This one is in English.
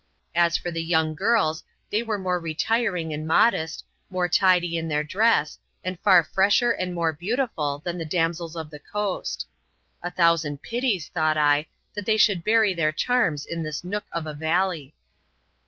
As for the young girls, they were more retiring and modest, more tidy in their dress, and far fresher and more beau tiful than the damsels of the coast. A thousand pities, thought I, that they should bury their charms in this nook of a valley.